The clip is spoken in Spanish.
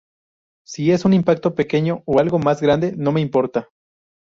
Si es un impacto pequeño o algo más grande, no me importa.